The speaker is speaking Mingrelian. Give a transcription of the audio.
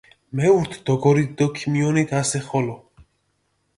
მეურთ, დოგორით დო ქიმიონით ასე ხოლო.